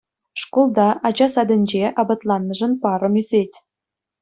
Шкулта, ача садӗнче апатланнӑшӑн парӑм ӳсет.